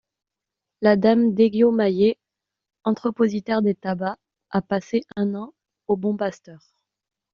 La dame Desguiot-Mallet, entrepositaire des tabacs, a passé un an au Bon Pasteur.